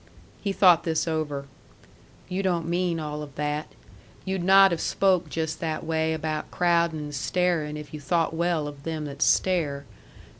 He thought this over. "You don't mean all of that. You'd not have spoke just that way about crowding and staring if you thought well of them that stare.